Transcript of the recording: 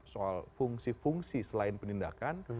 soal fungsi fungsi selain penindakan